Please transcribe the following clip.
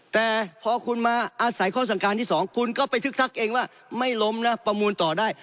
แต่พอคุณมาอาศัยข้อสั่งการที่๒คุณก็ไปทึกทักเองว่าไม่ล้มนะประมูลต่อได้